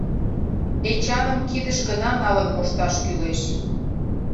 Эчаным кидыш гына налын мошташ кӱлеш.